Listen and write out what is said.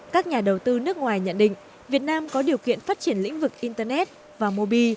các nhà đầu tư nước ngoài nhận định việt nam có điều kiện phát triển lĩnh vực internet và mobi